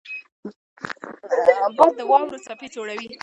باد د واورو څپې جوړوي